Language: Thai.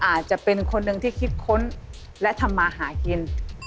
อาจจะเป็นคนหนึ่งที่คิดค้นและทำมาหากิน